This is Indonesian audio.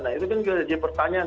nah itu kan jadi pertanyaan